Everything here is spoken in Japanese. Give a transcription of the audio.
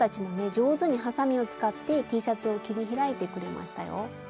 上手にはさみを使ってＴシャツを切り開いてくれましたよ。